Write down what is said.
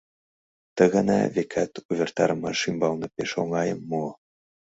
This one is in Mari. Ты гана, векат, увертарымаш ӱмбалне пеш оҥайым муо.